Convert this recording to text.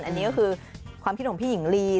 อันนี้ก็คือความคิดของพี่หญิงลี